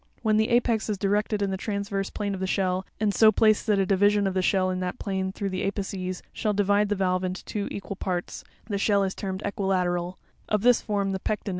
When the apex is directed in the transverse plane of the shell, and so placed, that a division of the shell in that plane through the apices shall divide the valve into two equal parts, the shell is termed equilateral ; of this form the Pecten (fig.